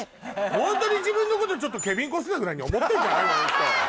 ホントに自分のことちょっとケビン・コスナーぐらいに思ってんじゃないの？